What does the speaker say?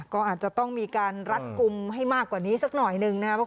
ก็อาจจะต้องมีการรัดกลุ่มให้มากกว่านี้สักหน่อยหนึ่งนะครับ